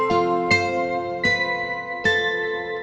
itu udah kmp dua ribu tujuh